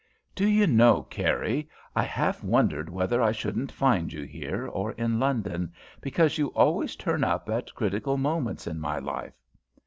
"Do you know, Carrie, I half wondered whether I shouldn't find you here, or in London, because you always turn up at critical moments in my life."